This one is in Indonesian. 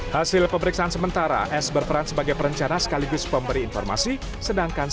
hasil pemeriksaan sementara s berperan sebagai perencana sekaligus pemberi informasi sedangkan